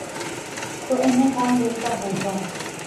تو انہیں کون دیکھتا ہو گا؟